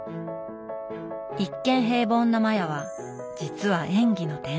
一見平凡なマヤは実は演技の天才。